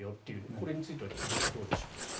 これについてはどう思いますか？